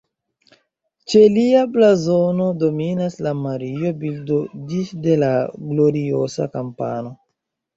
Ĉe lia blazono dominas la Mario-bildo disde la Gloriosa-kampano.